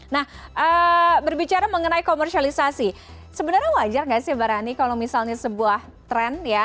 nah berbicara mengenai komersialisasi sebenarnya wajar nggak sih mbak rani kalau misalnya sebuah trend ya